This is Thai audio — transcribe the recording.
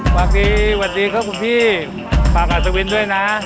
สวัสดีสวัสดีครับคุณพี่ฝากอัศวินด้วยนะ